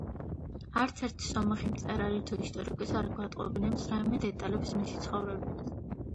არც ერთი სომეხი მწერალი თუ ისტორიკოსი არ გვატყობინებს რაიმე დეტალებს მისი ცხოვრებიდან.